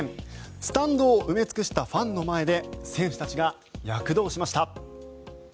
スタンドを埋め尽くしたファンの前で選手たちが躍動しました。